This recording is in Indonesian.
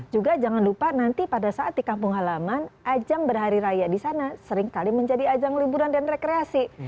juga jangan lupa nanti pada saat di kampung halaman ajang berhari raya di sana seringkali menjadi ajang liburan dan rekreasi